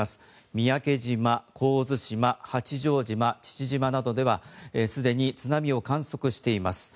三宅島、神津島、八丈島父島などでは既に津波を観測しています。